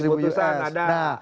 nah beberapa anda